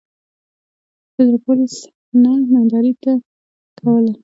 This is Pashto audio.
په زړه پوري صحنه یې نندارې ته کوله.